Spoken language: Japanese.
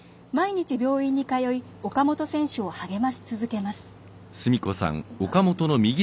毎日、病院に通い岡本選手を励まし続けます。